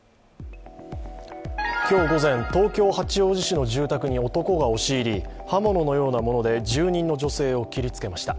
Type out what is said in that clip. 今日午前、東京・八王子市の住宅に男が押し入り刃物のようなもので住人の女性を切りつけました。